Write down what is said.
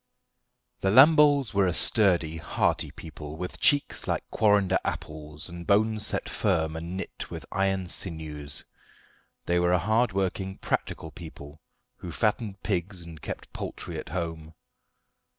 The Lamboles were a sturdy, hearty people, with cheeks like quarrender apples, and bones set firm and knit with iron sinews. They were a hard working, practical people who fattened pigs and kept poultry at home.